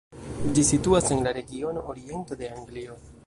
Ĝi situas en la regiono Oriento de Anglio.